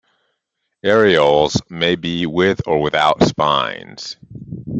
Areoles may be with or without spines.